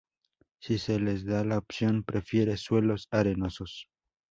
Si se les da la opción prefiere suelos arenosos.